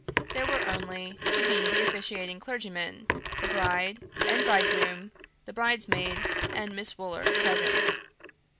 There were only to be the officiating clergyman, the bride and bridegroom, the bridesmaid, and Miss Wooler present.